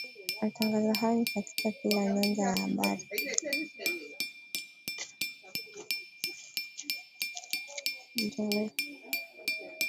Matangazo haya ni katika kila nyanja ya habari